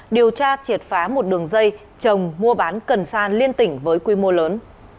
điều tra triệt phá một đường dây trồng mua bán cần sa liên tỉnh với quy mô lớn